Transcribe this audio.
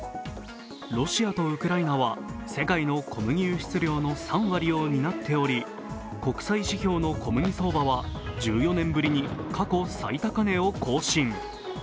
ロシアとウクライナは世界の小麦輸出量の３割を担っており国際指標の国際相場は１４年ぶりの世界最高値を更新。